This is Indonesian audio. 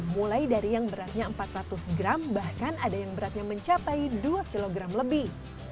mulai dari yang beratnya empat ratus gram bahkan ada yang beratnya mencapai dua kg lebih